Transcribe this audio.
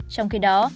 trong khi đó